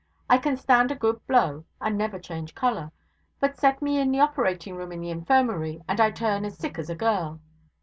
I can stand a good blow, and never change colour; but, set me in the operating room in the infirmary, and I turn as sick as a girl.